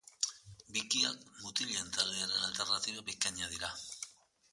Bikiak mutilen taldearen alternatiba bikaina dira.